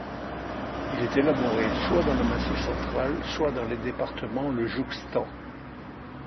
Il est élaboré soit dans le Massif central, soit dans les départements le jouxtant.